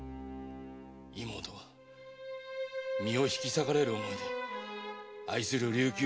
妹は身を引き裂かれる思いで愛する琉球を裏切りました。